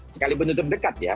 sekalipun itu dekat ya